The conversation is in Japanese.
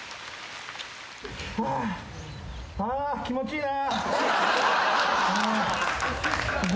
気持ちいいな。